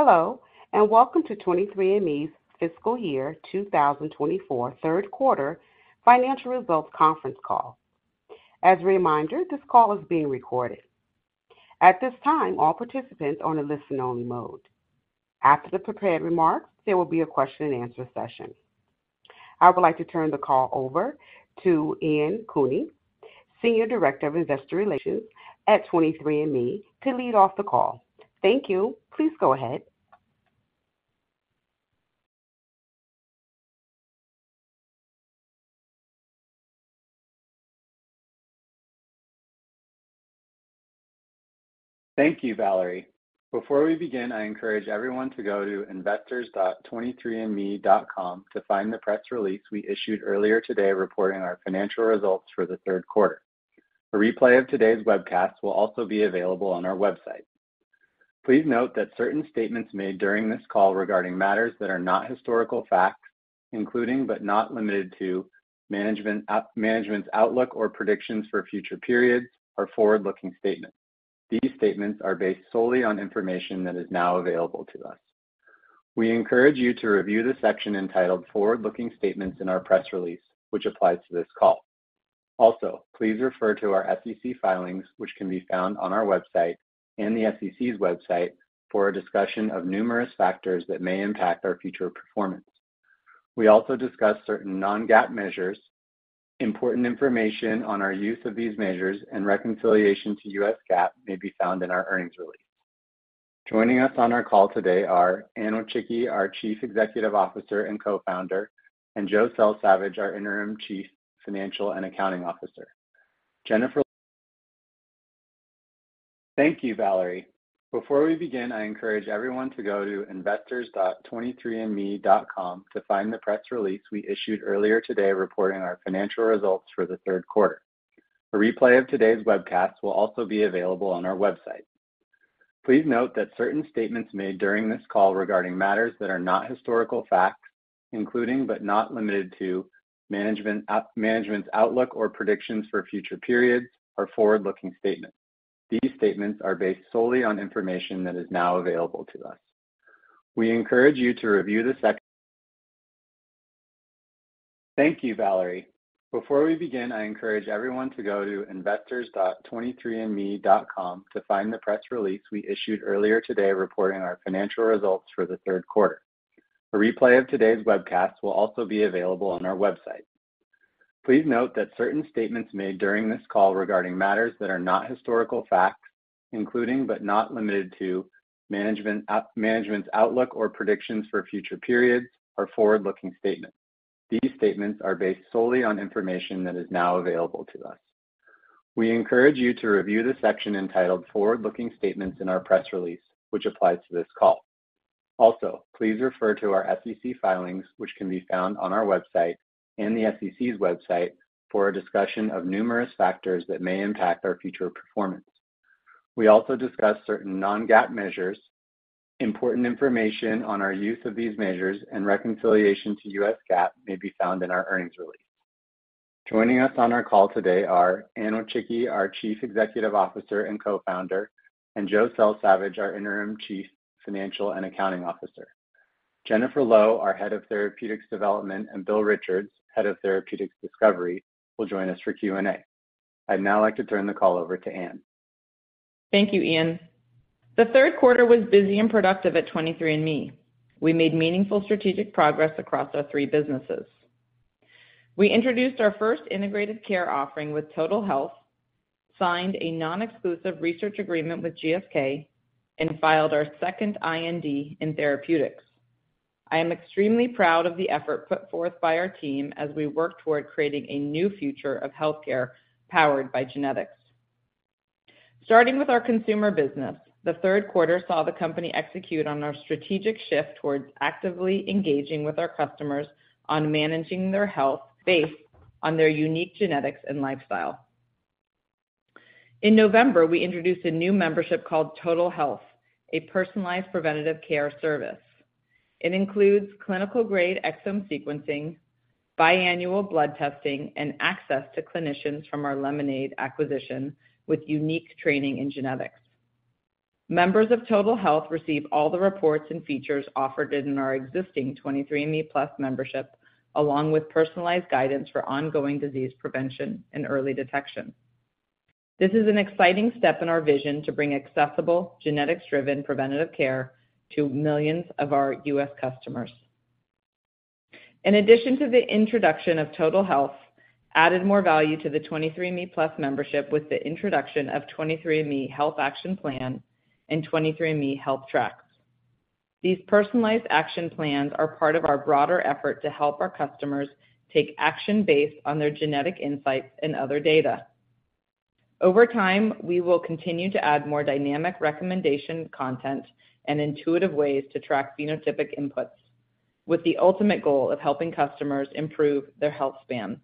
Hello, and welcome to 23andMe's Fiscal Year 2024 Q3 Financial Results Conference Call. As a reminder, this call is being recorded. At this time, all participants are on a listen-only mode. After the prepared remarks, there will be a question-and-answer session. I would like to turn the call over to Ian Cooney, Senior Director of Investor Relations at 23andMe, to lead off the call. Thank you. Please go ahead. Thank you, Valerie. Before we begin, I encourage everyone to go to investors.23andme.com to find the press release we issued earlier today, reporting our financial results for Q3. A replay of today's webcast will also be available on our website. Please note that certain statements made during this call regarding matters that are not historical facts, including but not limited to management, management's outlook or predictions for future periods, are forward-looking statements. These statements are based solely on information that is now available to us. We encourage you to review the section entitled Forward-Looking Statements in our press release, which applies to this call. Also, please refer to our SEC filings, which can be found on our website Head of Therapeutics Discovery, will join us for Q&A. I'd now like to turn the call over to Anne. Thank you, Ian. The Q3 was busy and productive at 23andMe. We made meaningful strategic progress across our three businesses. We introduced our first integrated care offering with Total Health, signed a non-exclusive research agreement with GSK, and filed our second IND in therapeutics. I am extremely proud of the effort put forth by our team as we work toward creating a new future of healthcare powered by genetics. Starting with our consumer business, Q3 saw the company execute on our strategic shift towards actively engaging with our customers on managing their health based on their unique genetics and lifestyle. In November, we introduced a new membership called Total Health, a personalized preventative care service. It includes clinical-grade exome sequencing, biannual blood testing, and access to clinicians from our Lemonaid acquisition, with unique training in genetics. Members of Total Health receive all the reports and features offered in our existing 23andMe+ membership, along with personalized guidance for ongoing disease prevention and early detection. This is an exciting step in our vision to bring accessible, genetics-driven, preventative care to millions of our U.S. customers. In addition to the introduction of Total Health, added more value to the 23andMe+ membership with the introduction of 23andMe Health Action Plan and 23andMe Health Tracks. These personalized action plans are part of our broader effort to help our customers take action based on their genetic insights and other data. Over time, we will continue to add more dynamic recommendation content and intuitive ways to track phenotypic inputs, with the ultimate goal of helping customers improve their health span.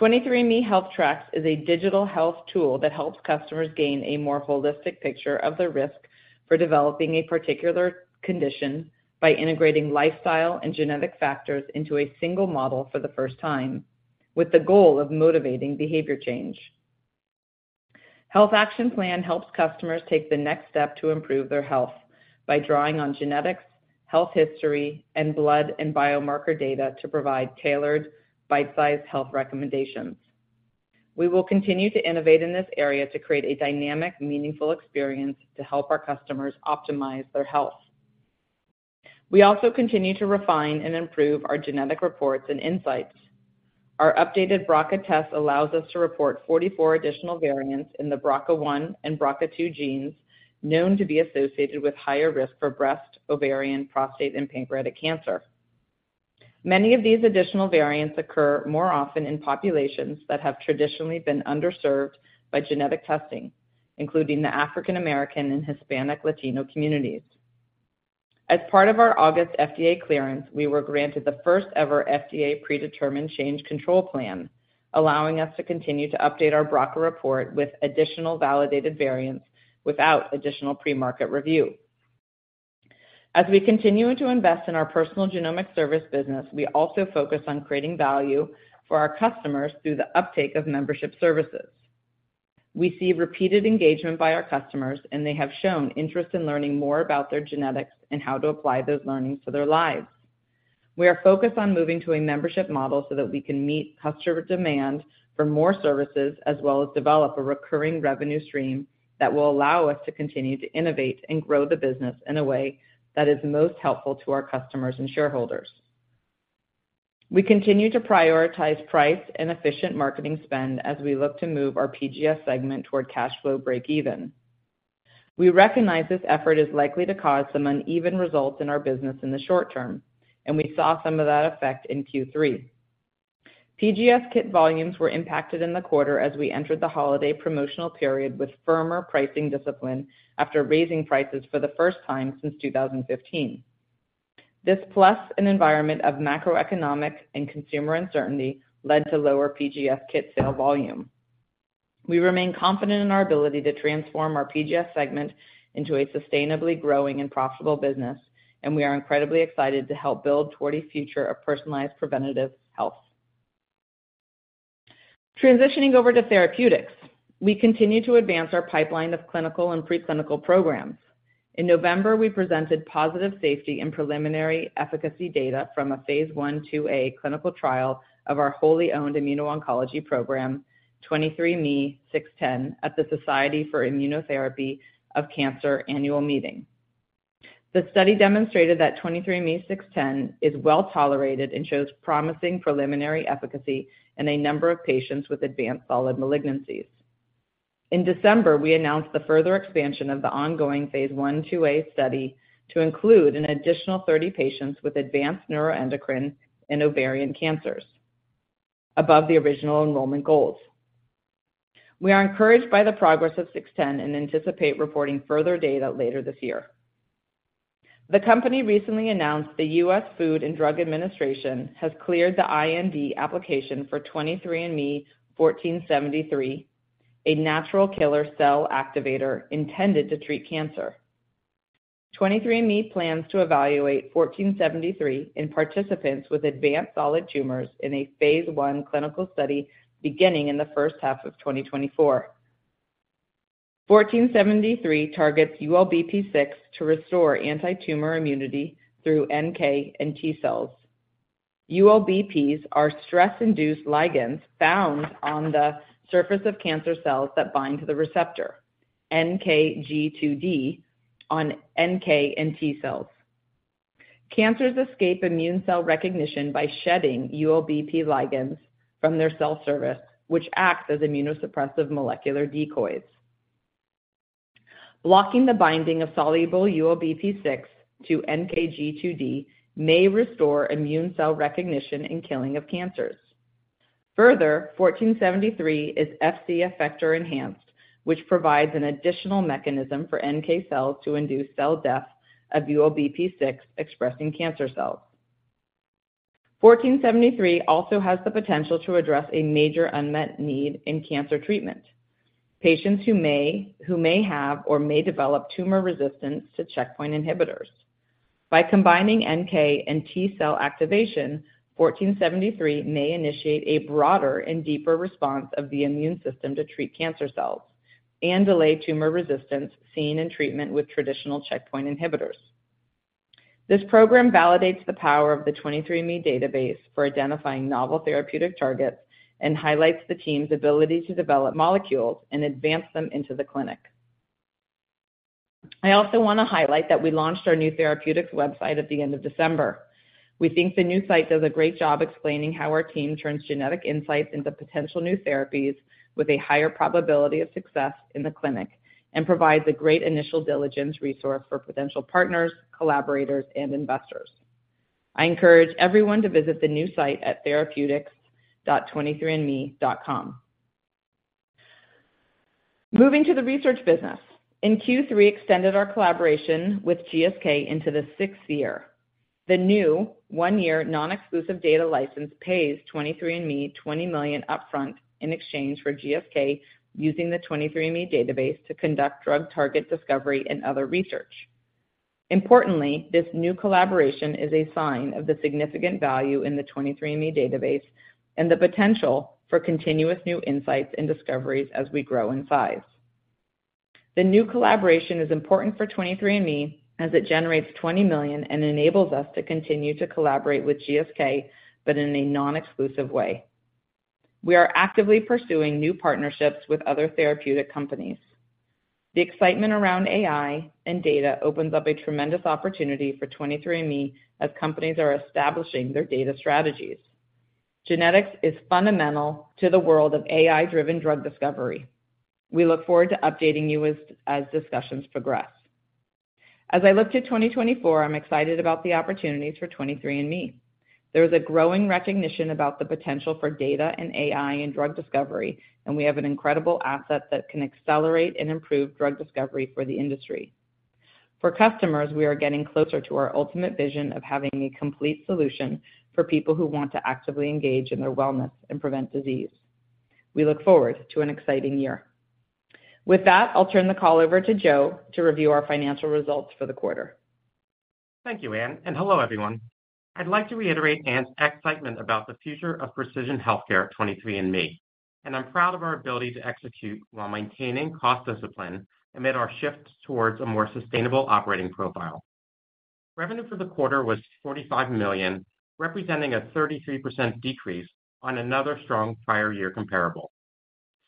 23andMe Health Tracks is a digital health tool that helps customers gain a more holistic picture of their risk for developing a particular condition by integrating lifestyle and genetic factors into a single model for the first time, with the goal of motivating behavior change. Health Action Plan helps customers take the next step to improve their health by drawing on genetics, health history, and blood and biomarker data to provide tailored, bite-sized health recommendations. We will continue to innovate in this area to create a dynamic, meaningful experience to help our customers optimize their health. We also continue to refine and improve our genetic reports and insights. Our updated BRCA test allows us to report 44 additional variants in the BRCA1 and BRCA2 genes, known to be associated with higher risk for breast, ovarian, prostate, and pancreatic cancer. Many of these additional variants occur more often in populations that have traditionally been underserved by genetic testing, including the African American and Hispanic Latino communities. As part of our August FDA clearance, we were granted the first-ever FDA Predetermined Change Control Plan, allowing us to continue to update our BRCA report with additional validated variants without additional pre-market review. As we continue to invest in our personal genomic service business, we also focus on creating value for our customers through the uptake of membership services. We see repeated engagement by our customers, and they have shown interest in learning more about their genetics and how to apply those learnings to their lives. We are focused on moving to a membership model so that we can meet customer demand for more services, as well as develop a recurring revenue stream that will allow us to continue to innovate and grow the business in a way that is most helpful to our customers and shareholders. We continue to prioritize price and efficient marketing spend as we look to move our PGS segment toward cash flow breakeven. We recognize this effort is likely to cause some uneven results in our business in the short term, and we saw some of that effect in Q3. PGS kit volumes were impacted in the quarter as we entered the holiday promotional period with firmer pricing discipline after raising prices for the first time since 2015. This, plus an environment of macroeconomic and consumer uncertainty, led to lower PGS kit sale volume. We remain confident in our ability to transform our PGS segment into a sustainably growing and profitable business, and we are incredibly excited to help build toward a future of personalized, preventative health. Transitioning over to therapeutics, we continue to advance our pipeline of clinical and preclinical programs. In November, we presented positive safety and preliminary efficacy data from a phase 1/2a clinical trial of our wholly-owned immuno-oncology program, 23ME-OO610, at the Society for Immunotherapy of Cancer Annual Meeting. The study demonstrated that 23ME-00610 is well-tolerated and shows promising preliminary efficacy in a number of patients with advanced solid malignancies. In December, we announced the further expansion of the ongoing Phase 1/2a study to include an additional 30 patients with advanced neuroendocrine and ovarian cancers above the original enrollment goals. We are encouraged by the progress of 610 and anticipate reporting further data later this year. The company recently announced the U.S. Food and Drug Administration has cleared the IND application for 23ME-01473, a natural killer cell activator intended to treat cancer. 23andMe plans to evaluate 1473 in participants with advanced solid tumors in a phase 1 clinical study beginning in the first half of 2024. 1473 targets ULBP-6 to restore antitumor immunity through NK and T cells. ULBPs are stress-induced ligands found on the surface of cancer cells that bind to the receptor, NKG2D, on NK and T cells. Cancers escape immune cell recognition by shedding ULBP ligands from their cell surface, which acts as immunosuppressive molecular decoys. Blocking the binding of soluble ULBP-6 to NKG2D may restore immune cell recognition and killing of cancers. Further, 1473 is Fc effector enhanced, which provides an additional mechanism for NK cells to induce cell death of ULBP-6 expressing cancer cells. 1473 also has the potential to address a major unmet need in cancer treatment: patients who may have or may develop tumor resistance to checkpoint inhibitors. By combining NK and T cell activation, 1473 may initiate a broader and deeper response of the immune system to treat cancer cells and delay tumor resistance seen in treatment with traditional checkpoint inhibitors. This program validates the power of the 23andMe database for identifying novel therapeutic targets and highlights the team's ability to develop molecules and advance them into the clinic. I also want to highlight that we launched our new therapeutics website at the end of December. We think the new site does a great job explaining how our team turns genetic insights into potential new therapies with a higher probability of success in the clinic and provides a great initial diligence resource for potential partners, collaborators, and investors. I encourage everyone to visit the new site at therapeutics.23andMe.com. Moving to the research business. In Q3, extended our collaboration with GSK into the sixth year. The new one-year non-exclusive data license pays 23andMe $20 million upfront in exchange for GSK using the 23andMe database to conduct drug target discovery and other research. Importantly, this new collaboration is a sign of the significant value in the 23andMe database and the potential for continuous new insights and discoveries as we grow in size. The new collaboration is important for 23andMe, as it generates $20 million and enables us to continue to collaborate with GSK, but in a non-exclusive way. We are actively pursuing new partnerships with other therapeutic companies. The excitement around AI and data opens up a tremendous opportunity for 23andMe as companies are establishing their data strategies. Genetics is fundamental to the world of AI-driven drug discovery. We look forward to updating you as discussions progress. As I look to 2024, I'm excited about the opportunities for 23andMe. There is a growing recognition about the potential for data and AI in drug discovery, and we have an incredible asset that can accelerate and improve drug discovery for the industry. For customers, we are getting closer to our ultimate vision of having a complete solution for people who want to actively engage in their wellness and prevent disease. We look forward to an exciting year. With that, I'll turn the call over to Joe to review our financial results for the quarter. Thank you, Anne, and hello everyone. I'd like to reiterate Anne's excitement about the future of precision healthcare at 23andMe, and I'm proud of our ability to execute while maintaining cost discipline amid our shifts towards a more sustainable operating profile. Revenue for the quarter was $45 million, representing a 33% decrease on another strong prior year comparable.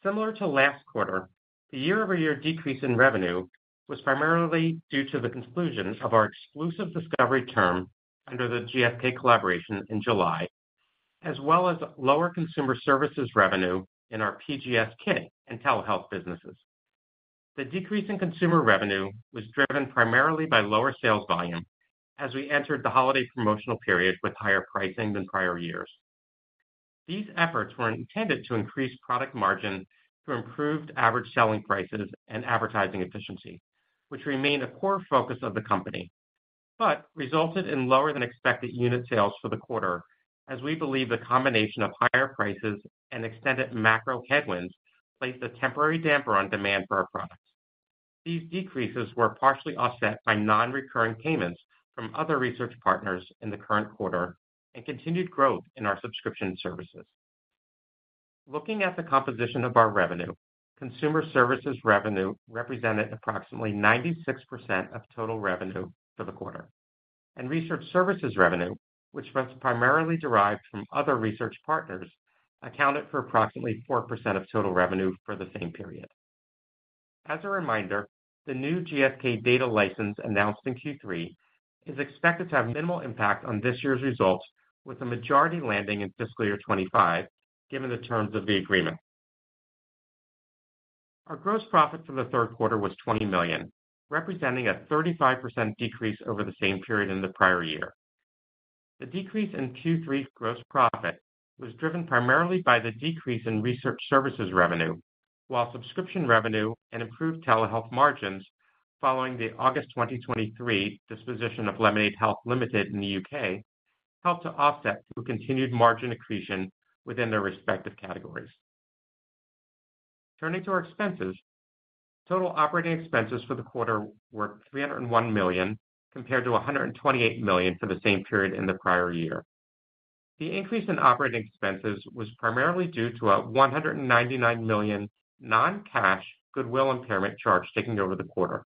Similar to last quarter, the year-over-year decrease in revenue was primarily due to the conclusion of our exclusive discovery term under the GSK collaboration in July, as well as lower consumer services revenue in our PGS kit and telehealth businesses. The decrease in consumer revenue was driven primarily by lower sales volume as we entered the holiday promotional period with higher pricing than prior years. These efforts were intended to increase product margin through improved average selling prices and advertising efficiency, which remain a core focus of the company, but resulted in lower than expected unit sales for the quarter, as we believe the combination of higher prices and extended macro headwinds placed a temporary damper on demand for our products. These decreases were partially offset by non-recurring payments from other research partners in the current quarter and continued growth in our subscription services. Looking at the composition of our revenue, consumer services revenue represented approximately 96% of total revenue for the quarter, and research services revenue, which was primarily derived from other research partners, accounted for approximately 4% of total revenue for the same period. As a reminder, the new GSK data license announced in Q3 is expected to have minimal impact on this year's results, with the majority landing in fiscal year 2025, given the terms of the agreement. Our gross profit for Q3 was $20 million, representing a 35% decrease over the same period in the prior year. The decrease in Q3 gross profit was driven primarily by the decrease in research services revenue, while subscription revenue and improved telehealth margins following the August 2023 disposition of Lemonaid Health Limited in the U.K., helped to offset through continued margin accretion within their respective categories. Turning to our expenses. Total operating expenses for the quarter were $301 compared to 128 million for the same period in the prior year. The increase in operating expenses was primarily due to a $199 million non-cash goodwill impairment charge taken over the quarter,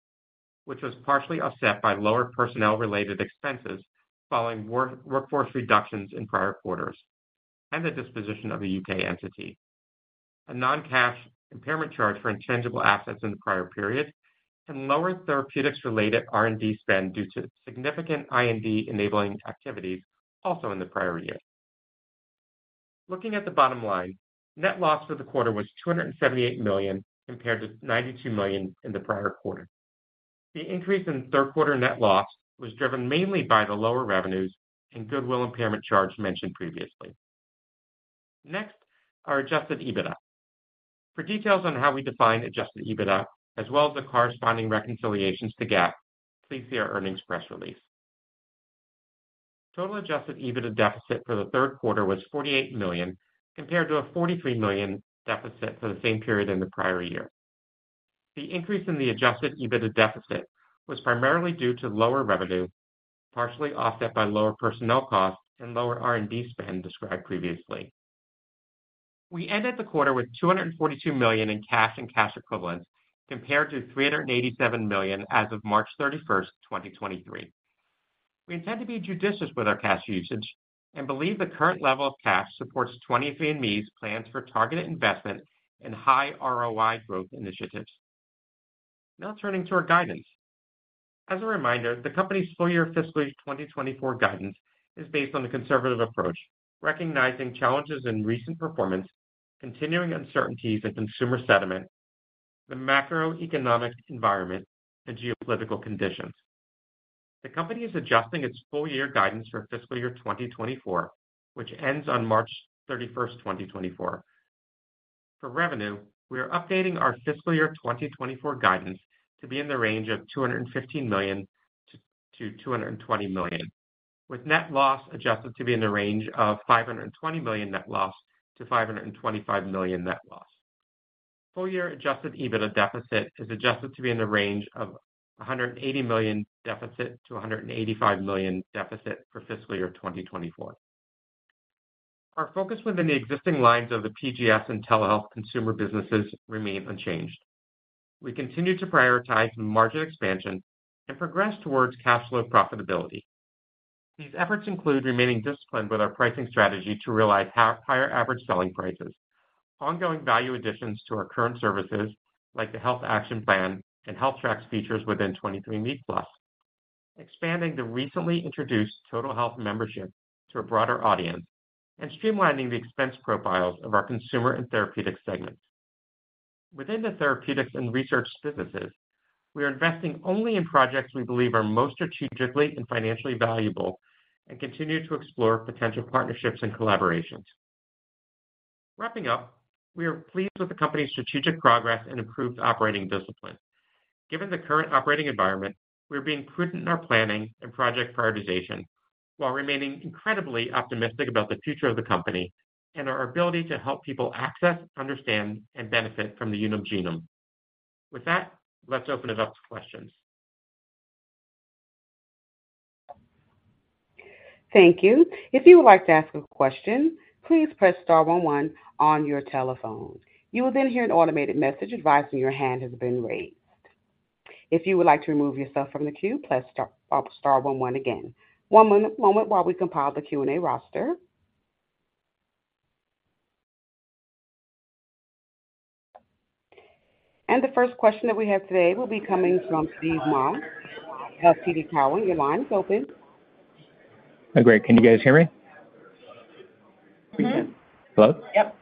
which was partially offset by lower personnel-related expenses following workforce reductions in prior quarters and the disposition of the U.K. entity. A non-cash impairment charge for intangible assets in the prior period and lower therapeutics-related R&D spend due to significant IND-enabling activities also in the prior year. Looking at the bottom line, net loss for the quarter was $278 compared to 92 million in the prior quarter. The increase in Q3 net loss was driven mainly by the lower revenues and goodwill impairment charge mentioned previously. Next, our adjusted EBITDA. For details on how we define Adjusted EBITDA, as well as the corresponding reconciliations to GAAP, please see our earnings press release. Total adjusted EBITDA deficit for Q3 was $48 compared to a 43 million deficit for the same period in the prior year. The increase in the adjusted EBITDA deficit was primarily due to lower revenue, partially offset by lower personnel costs and lower R&D spend described previously. We ended the quarter with $242 in cash and cash equivalents, compared to 387 million as of March 31, 2023. We intend to be judicious with our cash usage and believe the current level of cash supports 23andMe's plans for targeted investment and high ROI growth initiatives. Now turning to our guidance. As a reminder, the company's full year fiscal year 2024 guidance is based on the conservative approach, recognizing challenges in recent performance, continuing uncertainties in consumer sentiment, the macroeconomic environment, and geopolitical conditions. The company is adjusting its full year guidance for fiscal year 2024, which ends on March 31st, 2024. For revenue, we are updating our fiscal year 2024 guidance to be in the range of $215-220 million, with net loss adjusted to be in the range of $520 net loss-525 million net loss. Full year Adjusted EBITDA deficit is adjusted to be in the range of $180 deficit-185 million deficit for fiscal year 2024. Our focus within the existing lines of the PGS and telehealth consumer businesses remain unchanged. We continue to prioritize margin expansion and progress towards cash flow profitability. These efforts include remaining disciplined with our pricing strategy to realize higher average selling prices, ongoing value additions to our current services, like the Health Action Plan and Health Tracks features within 23andMe+, expanding the recently introduced Total Health membership to a broader audience, and streamlining the expense profiles of our consumer and therapeutic segments. Within the therapeutics and research businesses, we are investing only in projects we believe are most strategically and financially valuable and continue to explore potential partnerships and collaborations. Wrapping up, we are pleased with the company's strategic progress and improved operating discipline. Given the current operating environment, we are being prudent in our planning and project prioritization, while remaining incredibly optimistic about the future of the company and our ability to help people access, understand, and benefit from the human genome. With that, let's open it up to questions. Thank you. If you would like to ask a question, please press star one one on your telephone. You will then hear an automated message advising your hand has been raised. If you would like to remove yourself from the queue, press star star one one again. One moment while we compile the Q&A roster. And the first question that we have today will be coming from Steve Mah of TD Cowen. Your line is open. Great. Can you guys hear me? Mm-hmm. Hello? Yep.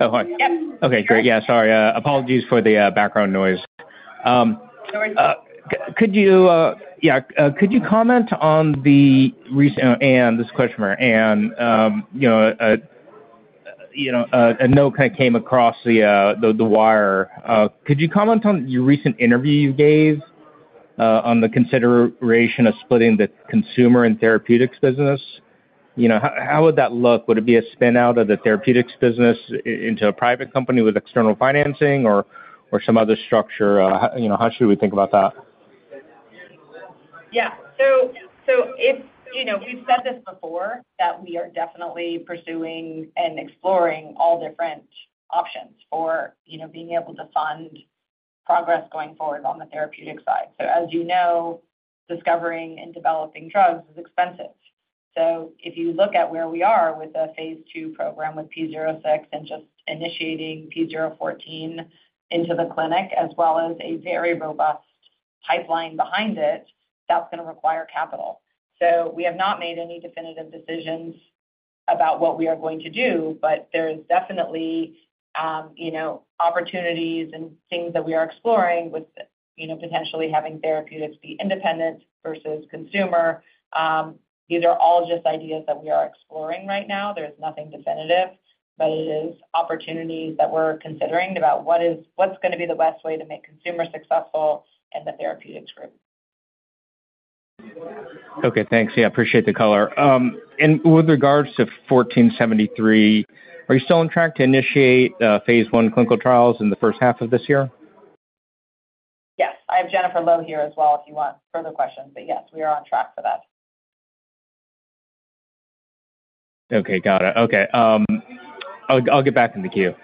Oh, hi. Yep. Okay, great. Yeah, sorry, apologies for the background noise. No worries. Could you comment on the recent... And this question for Anne, you know, you know, a note kind of came across the wire. Could you comment on your recent interview you gave on the consideration of splitting the consumer and therapeutics business? You know, how would that look? Would it be a spin-out of the therapeutics business into a private company with external financing or some other structure? You know, how should we think about that? Yeah. So, so if, you know, we've said this before, that we are definitely pursuing and exploring all different options for, you know, being able to fund progress going forward on the therapeutic side. So as you know, discovering and developing drugs is expensive. So if you look at where we are with a phase 2 program with P06 and just initiating P014 into the clinic, as well as a very robust pipeline behind it, that's going to require capital. So we have not made any definitive decisions about what we are going to do, but there is definitely, you know, opportunities and things that we are exploring with, you know, potentially having therapeutics be independent versus consumer. These are all just ideas that we are exploring right now. There's nothing definitive, but it is opportunities that we're considering about what's going to be the best way to make consumer successful and the therapeutics group. Okay, thanks. Yeah, I appreciate the color. And with regards to 1473, are you still on track to initiate phase 1 clinical trials in the first half of this year? Yes. I have Jennifer Low here as well, if you want further questions, but yes, we are on track for that. Okay, got it. Okay, I'll get back in the queue.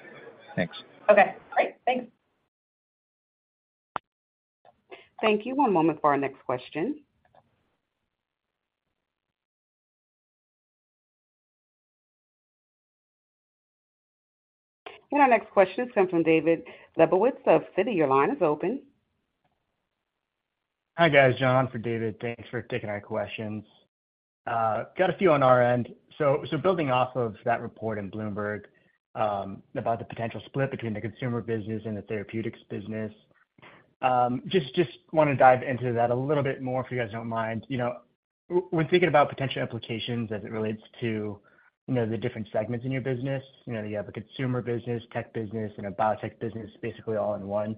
Thanks. Okay, great. Thanks. Thank you. One moment for our next question. Our next question comes from David Lebowitz of Citi. Your line is open. Hi, guys, John for David. Thanks for taking our questions. Got a few on our end. So, building off of that report in Bloomberg, about the potential split between the consumer business and the therapeutics business, just want to dive into that a little bit more, if you guys don't mind. You know, when thinking about potential implications as it relates to, you know, the different segments in your business, you know, you have a consumer business, tech business, and a biotech business, basically all in one.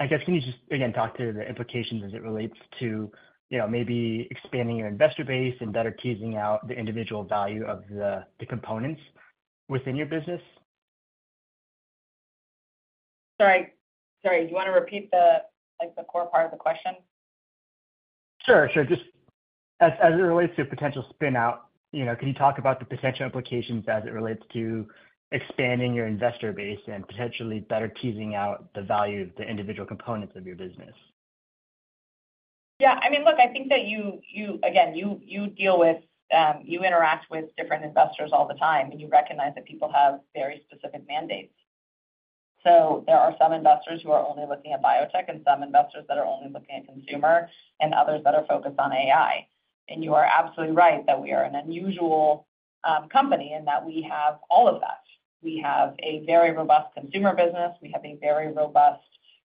I guess can you just, again, talk to the implications as it relates to, you know, maybe expanding your investor base and better teasing out the individual value of the components within your business? Sorry, sorry, do you want to repeat the, like, the core part of the question? Sure, sure. Just as it relates to potential spin-out, you know, can you talk about the potential implications as it relates to expanding your investor base and potentially better teasing out the value of the individual components of your business? Yeah, I mean, look, I think that you, again, you deal with, you interact with different investors all the time, and you recognize that people have very specific mandates. So there are some investors who are only looking at biotech and some investors that are only looking at consumer, and others that are focused on AI. And you are absolutely right that we are an unusual company, and that we have all of that. We have a very robust consumer business, we have a very robust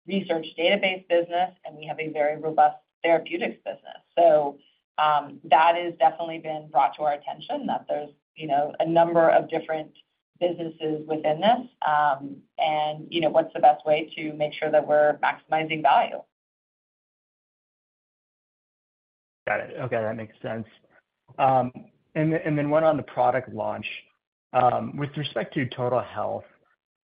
research database business, and we have a very robust therapeutics business. So, that has definitely been brought to our attention, that there's, you know, a number of different businesses within this, and, you know, what's the best way to make sure that we're maximizing value? Got it. Okay, that makes sense. And then, and then one on the product launch. With respect to Total Health,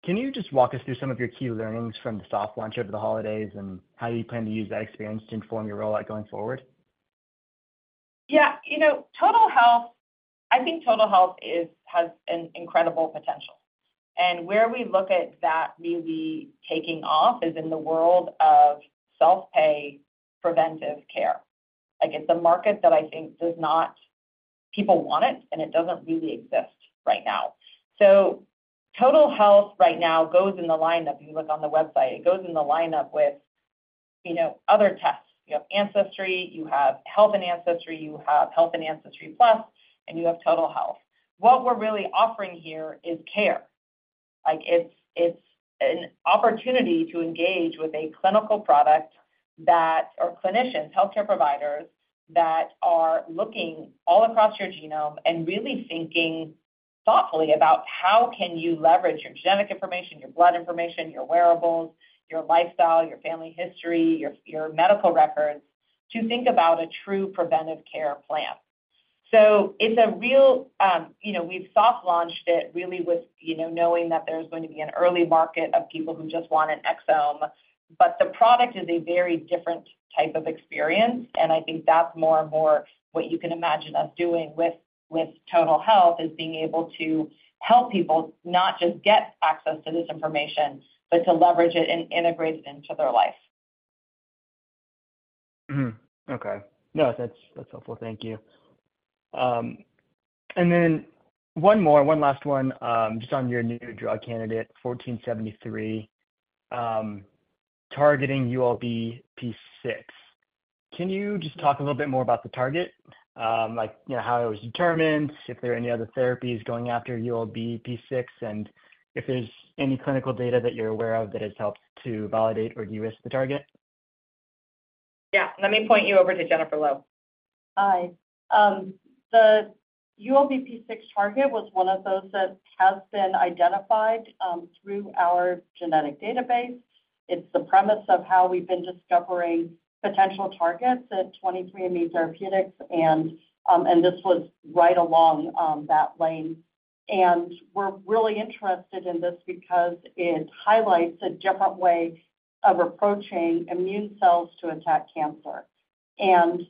can you just walk us through some of your key learnings from the soft launch over the holidays and how you plan to use that experience to inform your rollout going forward? Yeah. You know, Total Health, I think Total Health is, has an incredible potential. And where we look at that really taking off is in the world of self-pay preventive care. Like, it's a market that I think does not-- people want it, and it doesn't really exist right now. So Total Health right now goes in the lineup. If you look on the website, it goes in the lineup with, you know, other tests. You have Ancestry, you have Health and Ancestry, you have Health and Ancestry Plus, and you have Total Health. What we're really offering here is care. Like it's an opportunity to engage with a clinical product that, or clinicians, healthcare providers, that are looking all across your genome and really thinking thoughtfully about how can you leverage your genetic information, your blood information, your wearables, your lifestyle, your family history, your, your medical records, to think about a true preventive care plan. So it's a real. You know, we've soft launched it really with, you know, knowing that there's going to be an early market of people who just want an exome, but the product is a very different type of experience, and I think that's more and more what you can imagine us doing with, with Total Health, is being able to help people not just get access to this information, but to leverage it and integrate it into their life. Mm-hmm. Okay. No, that's, that's helpful. Thank you. And then one more, one last one, just on your new drug candidate, 1473, targeting ULBP-6. Can you just talk a little bit more about the target? Like, you know, how it was determined, if there are any other therapies going after ULBP-6, and if there's any clinical data that you're aware of that has helped to validate or de-risk the target? Yeah. Let me point you over to Jennifer Low. Hi. The ULBP-6 target was one of those that has been identified through our genetic database. It's the premise of how we've been discovering potential targets at 23andMe Therapeutics, and this was right along that lane. And we're really interested in this because it highlights a different way of approaching immune cells to attack cancer. And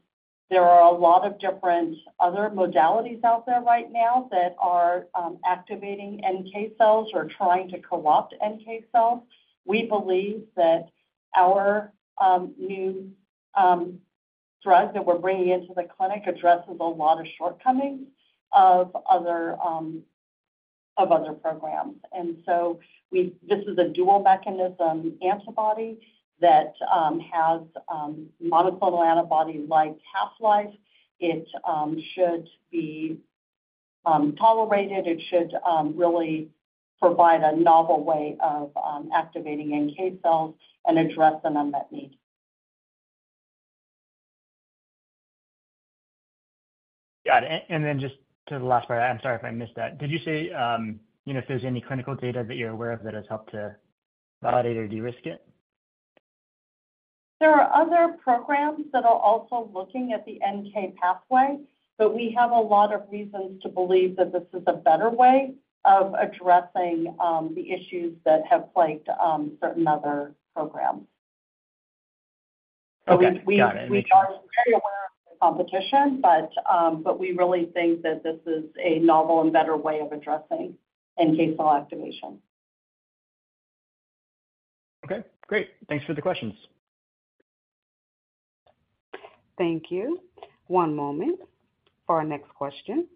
there are a lot of different other modalities out there right now that are activating NK cells or trying to co-opt NK cells. We believe that our new drug that we're bringing into the clinic addresses a lot of shortcomings of other programs. And so this is a dual mechanism antibody that has monoclonal antibody-like half-life. It should be tolerated, it should really provide a novel way of activating NK cells and address an unmet need. Got it. And then just to the last part, I'm sorry if I missed that. Did you say, you know, if there's any clinical data that you're aware of that has helped to validate or de-risk it? There are other programs that are also looking at the NK pathway, but we have a lot of reasons to believe that this is a better way of addressing the issues that have plagued certain other programs. Okay. Got it. We are very aware of the competition, but, but we really think that this is a novel and better way of addressing NK cell activation. Okay, great. Thanks for the questions. Thank you. One moment for our next question.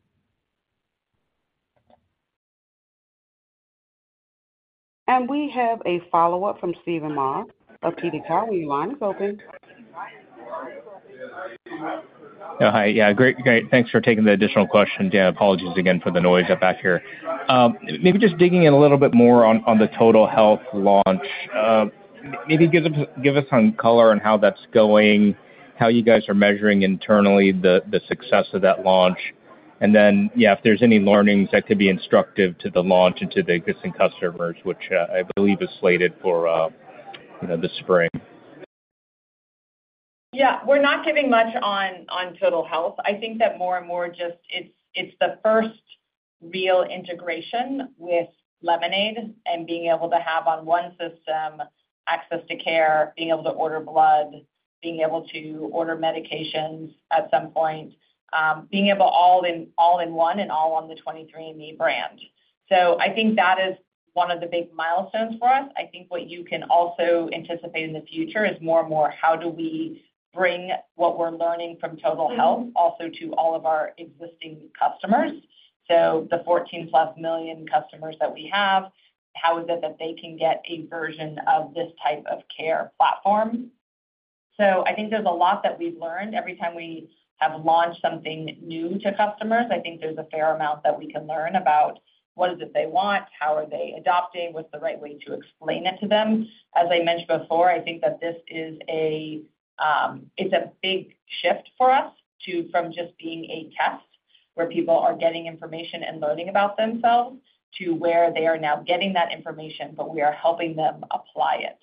We have a follow-up from Steve Mah of TD Cowen. Your line is open. Oh, hi. Yeah, great, great. Thanks for taking the additional question. Yeah, apologies again for the noise back here. Maybe just digging in a little bit more on the Total Health launch. Maybe give us some color on how that's going, how you guys are measuring internally the success of that launch. And then, yeah, if there's any learnings that could be instructive to the launch into the existing customers, which I believe is slated for, you know, the spring. Yeah, we're not giving much on Total Health. I think that more and more just it's the first real integration with Lemonaid and being able to have on one system access to care, being able to order blood, being able to order medications at some point, being able all in, all in one and all on the 23andMe brand. So I think that is one of the big milestones for us. I think what you can also anticipate in the future is more and more, how do we bring what we're learning from Total Health also to all of our existing customers? So the 14+ million customers that we have, how is it that they can get a version of this type of care platform? So I think there's a lot that we've learned. Every time we have launched something new to customers, I think there's a fair amount that we can learn about what is it they want? How are they adopting? What's the right way to explain it to them? As I mentioned before, I think that this is a, it's a big shift for us to, from just being a test where people are getting information and learning about themselves, to where they are now getting that information, but we are helping them apply it.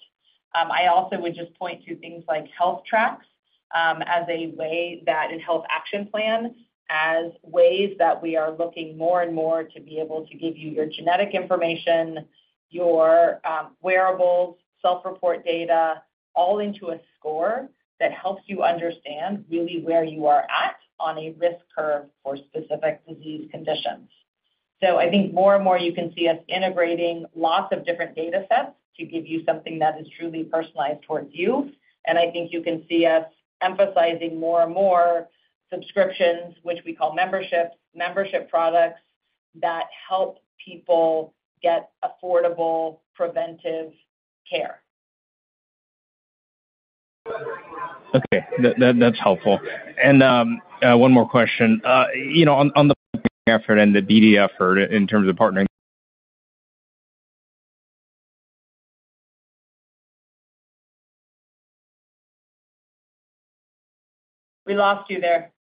I also would just point to things like Health Tracks, and Health Action Plan, as ways that we are looking more and more to be able to give you your genetic information, your wearables, self-report data, all into a score that helps you understand really where you are at on a risk curve for specific disease conditions. I think more and more you can see us integrating lots of different data sets to give you something that is truly personalized towards you. I think you can see us emphasizing more and more subscriptions, which we call memberships, membership products that help people get affordable preventive care. Okay, that, that, that's helpful. And, one more question. You know, on, on the effort and the BD effort in terms of partnering. We lost you there.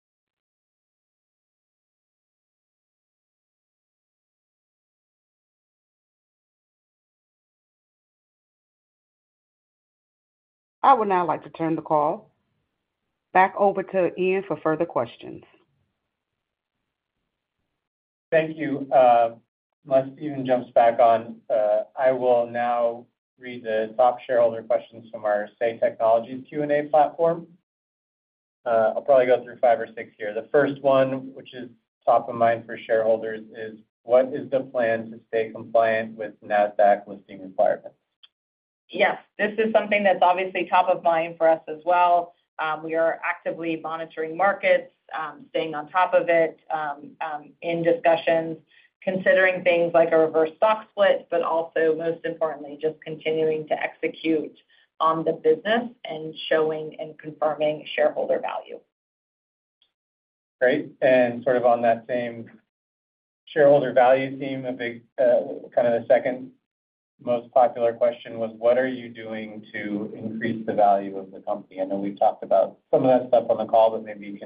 I would now like to turn the call back over to Ian for further questions. Thank you. Unless Steven jumps back on, I will now read the top shareholder questions from our Say Technologies Q&A platform. I'll probably go through five or six here. The first one, which is top of mind for shareholders, is: What is the plan to stay compliant with NASDAQ listing requirements? Yes, this is something that's obviously top of mind for us as well. We are actively monitoring markets, staying on top of it, in discussions, considering things like a reverse stock split, but also, most importantly, just continuing to execute on the business and showing and confirming shareholder value. Great. And sort of on that same shareholder value theme, a big, kind of the second most popular question was: What are you doing to increase the value of the company? I know we've talked about some of that stuff on the call, but maybe you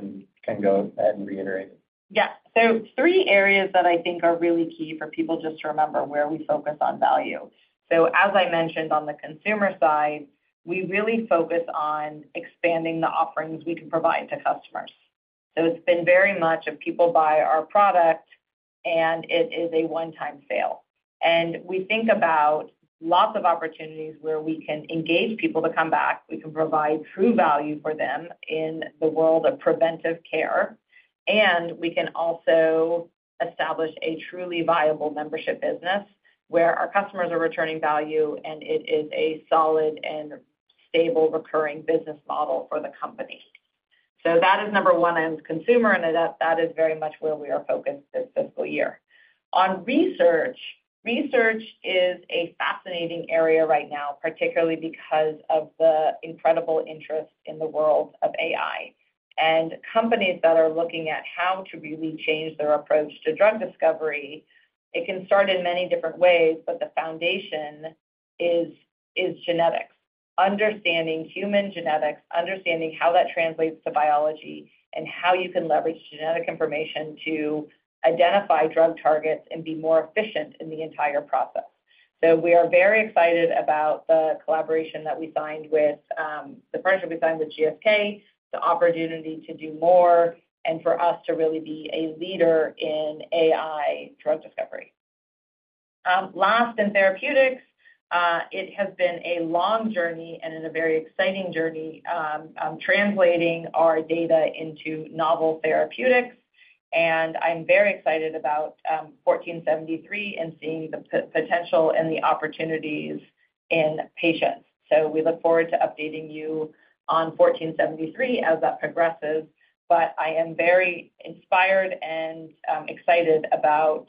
can go ahead and reiterate. Yeah. So three areas that I think are really key for people just to remember where we focus on value. So as I mentioned on the consumer side, we really focus on expanding the offerings we can provide to customers. So it's been very much of people buy our product, and it is a one-time sale. And we think about lots of opportunities where we can engage people to come back. We can provide true value for them in the world of preventive care, and we can also establish a truly viable membership business where our customers are returning value, and it is a solid and stable recurring business model for the company. So that is number one on consumer, and that is very much where we are focused this fiscal year. On research, research is a fascinating area right now, particularly because of the incredible interest in the world of AI. Companies that are looking at how to really change their approach to drug discovery, it can start in many different ways, but the foundation is genetics. Understanding human genetics, understanding how that translates to biology, and how you can leverage genetic information to identify drug targets and be more efficient in the entire process. We are very excited about the collaboration that we signed with, the partnership we signed with GSK, the opportunity to do more, and for us to really be a leader in AI drug discovery. Last, in therapeutics, it has been a long journey and a very exciting journey, translating our data into novel therapeutics, and I'm very excited about 1473 and seeing the potential and the opportunities in patients. So we look forward to updating you on 1473 as that progresses, but I am very inspired and excited about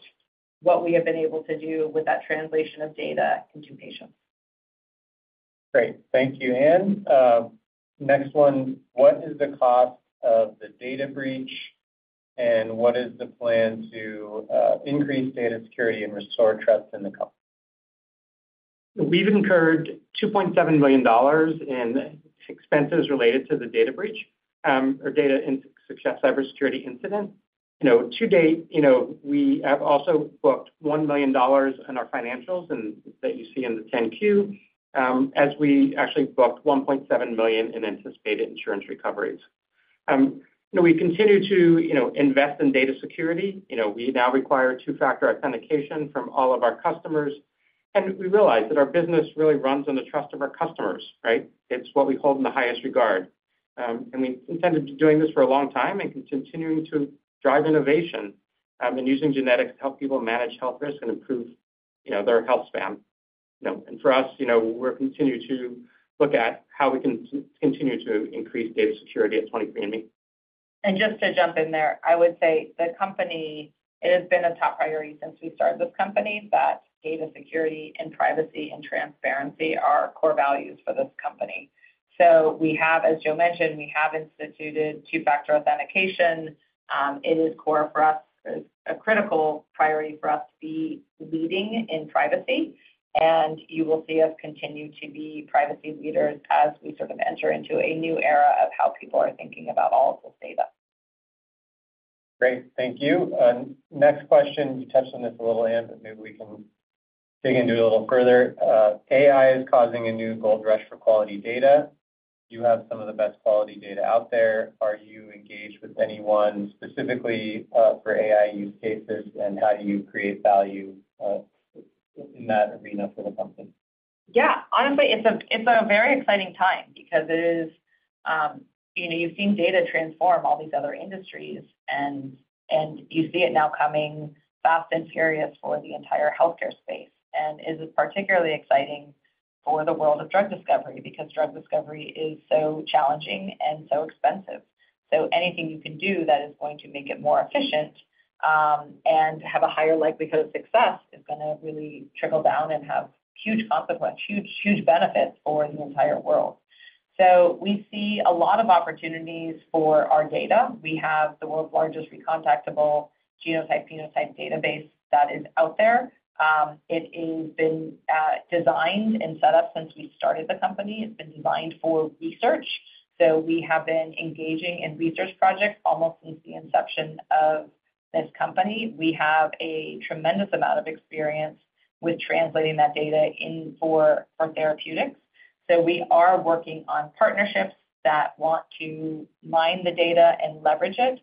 what we have been able to do with that translation of data into patients. Great. Thank you. And, next one: What is the cost of the data breach, and what is the plan to increase data security and restore trust in the company? We've incurred $2.7 million in expenses related to the data breach, or data and systems cybersecurity incident. You know, to date, you know, we have also booked $1 million in our financials and that you see in the 10-Q, as we actually booked $1.7 million in anticipated insurance recoveries. You know, we continue to, you know, invest in data security. You know, we now require two-factor authentication from all of our customers, and we realize that our business really runs on the trust of our customers, right? It's what we hold in the highest regard. And we intended to doing this for a long time and continuing to drive innovation, and using genetics to help people manage health risk and improve, you know, their health span. You know, and for us, you know, we'll continue to look at how we can continue to increase data security at 23andMe. Just to jump in there, I would say the company, it has been a top priority since we started this company, that data security and privacy and transparency are core values for this company. So we have, as Joe mentioned, we have instituted two-factor authentication. It is core for us, a critical priority for us to be leading in privacy, and you will see us continue to be privacy leaders as we sort of enter into a new era of how people are thinking about all of this data.... Great. Thank you. Next question, you touched on this a little, Anne, but maybe we can dig into it a little further. AI is causing a new gold rush for quality data. You have some of the best quality data out there. Are you engaged with anyone specifically, for AI use cases? And how do you create value, in that arena for the company? Yeah. Honestly, it's a, it's a very exciting time because it is, you know, you've seen data transform all these other industries and, and you see it now coming fast and furious for the entire healthcare space. And it is particularly exciting for the world of drug discovery, because drug discovery is so challenging and so expensive. So anything you can do that is going to make it more efficient, and have a higher likelihood of success, is gonna really trickle down and have huge consequence, huge, huge benefits for the entire world. So we see a lot of opportunities for our data. We have the world's largest re-contactable genotype, phenotype database that is out there. It has been designed and set up since we started the company. It's been designed for research, so we have been engaging in research projects almost since the inception of this company. We have a tremendous amount of experience with translating that data in for, for therapeutics. So we are working on partnerships that want to mine the data and leverage it.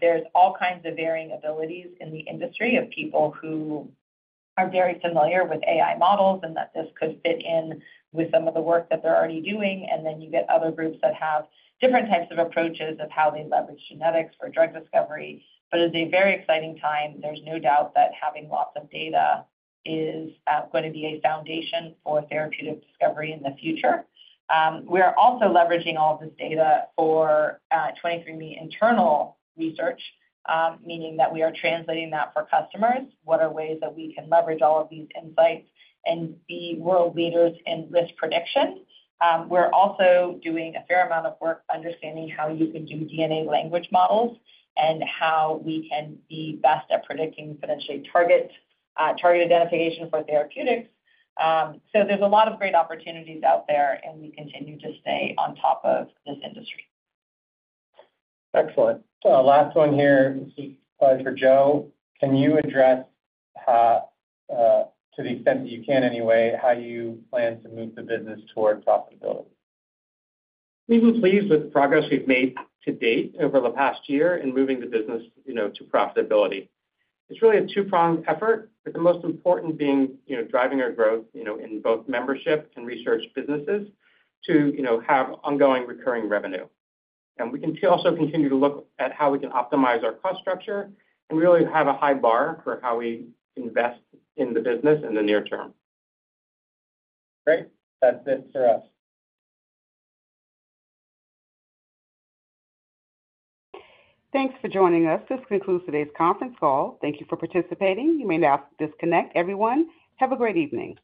There's all kinds of varying abilities in the industry of people who are very familiar with AI models and that this could fit in with some of the work that they're already doing. And then you get other groups that have different types of approaches of how they leverage genetics for drug discovery. But it's a very exciting time. There's no doubt that having lots of data is going to be a foundation for therapeutic discovery in the future. We are also leveraging all this data for 23andMe internal research, meaning that we are translating that for customers. What are ways that we can leverage all of these insights and be world leaders in risk prediction? We're also doing a fair amount of work understanding how you can do DNA language models and how we can be best at predicting potentially targets, target identification for therapeutics. So there's a lot of great opportunities out there, and we continue to stay on top of this industry. Excellent. So last one here, this is probably for Joe. Can you address how, to the extent that you can anyway, how you plan to move the business towards profitability? We've been pleased with the progress we've made to date over the past year in moving the business, you know, to profitability. It's really a two-pronged effort, with the most important being, you know, driving our growth, you know, in both membership and research businesses to, you know, have ongoing recurring revenue. And we can also continue to look at how we can optimize our cost structure, and we really have a high bar for how we invest in the business in the near term. Great. That's it for us. Thanks for joining us. This concludes today's conference call. Thank you for participating. You may now disconnect. Everyone, have a great evening.